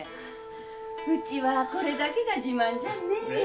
うちはこれだけが自慢じゃんねえ。